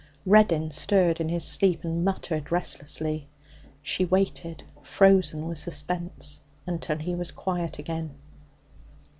Reddin stirred in his sleep and muttered restlessly. She waited, frozen with suspense, until he was quiet again.